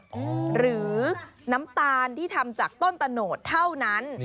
หรือน้ำตาลที่ทำจากต้นตะโนดเท่านั้น